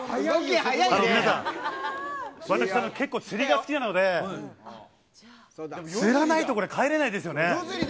皆さん、私、結構釣りが好きなので、釣らないとこれ、帰れないですよね。